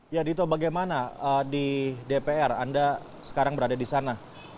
ya dito bagaimana di dpr anda sekarang berada di sana